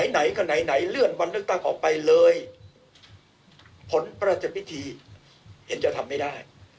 ไหนก็ไหนเลื่อนวันเลือกตั้งออกไปเลยผลประจัดพิธีเห็นจะทำไม่ได้